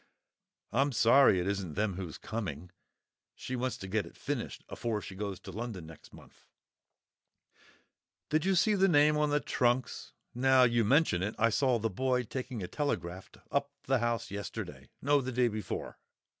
I'm sorry it isn't them who's coming. She wants to get it finished afore she goes to London next month." "Did you see the name on the trunks? Now you mention it, I saw the boy taking a telegraft up to the house yesterday—no, the day before."